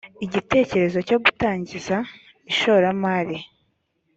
igitekerezo cyo gutangiza ishoramari